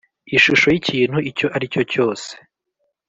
ishusho y’ikintu icyo ari cyo cyose,